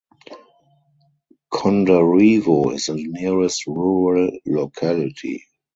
Kondarevo is the nearest rural locality.